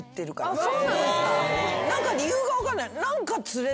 理由が分かんない。